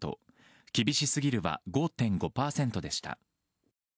厳しすぎるは５．５％でした。